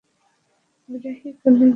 বিহারী কহিল, তাই না কি।